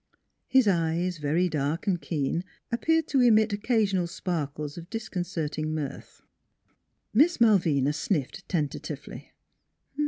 His eyes, very dark and keen, appeared to emit occasional sparkles of disconcerting mirth. Miss Malvina sniffed tentatively.